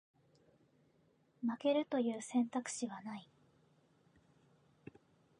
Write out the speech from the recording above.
負けるという選択肢はない